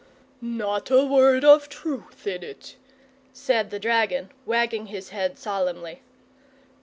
"Not a word of truth in it," said the dragon, wagging his head solemnly.